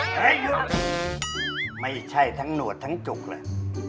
เฮ้ยไม่ใช่ทั้งหนวดทั้งจุกแหละ